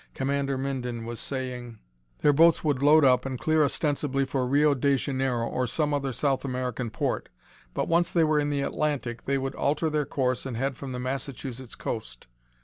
Commander Minden was saying: "Their boats would load up and clear ostensibly for Rio de Janeiro or some other South American port, but once they were in the Atlantic, they would alter their course and head from the Massachusetts coast.